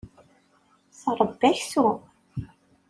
Tṛebba aksum.